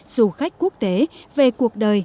du khách quốc tế về cuộc đời